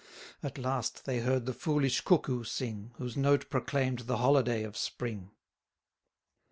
At last they heard the foolish Cuckoo sing, Whose note proclaim'd the holiday of spring.